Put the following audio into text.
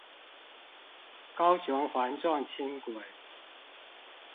高雄環狀輕軌